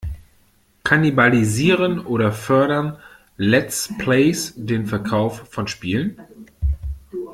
Kannibalisieren oder fördern Let's Plays den Verkauf von Spielen?